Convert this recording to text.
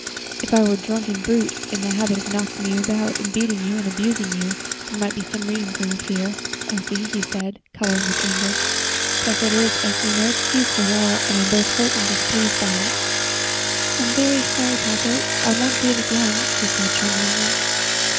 "If I were a drunken brute, in the habit of knocking you about, beating and abusing you, there might be some reason for your fear, Elsie," he said, coloring with anger; "but, as it is, I see no excuse for it at all and I am both hurt and displeased by it." "I am very sorry, papa; I won't do so again," she said, tremblingly.